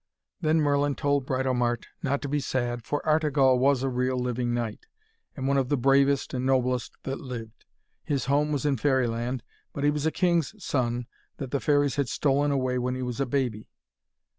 Then Merlin told Britomart not to be sad, for Artegall was a real living knight, and one of the bravest and noblest that lived. His home was in Fairyland, but he was a king's son that the fairies had stolen away when he was a baby.